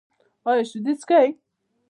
ایا شیدې څښئ؟